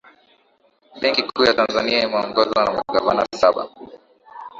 benki kuu ya tanzania imeongozwa na magavana saba